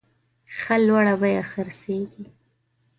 ښه لوړه بیه خرڅیږي.